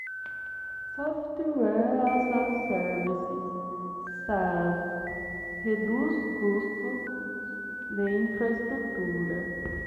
Software as a Service (SaaS) reduz custos de infraestrutura.